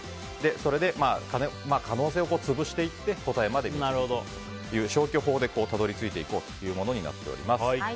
それで可能性を潰していって答えに消去法でたどり着いていこうというものになります。